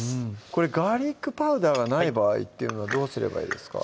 これガーリックパウダーがない場合っていうのはどうすればいいですか？